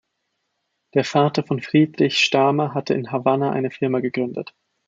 Der Vater von Friedrich Sthamer hatte in Havanna eine Firma gegründet.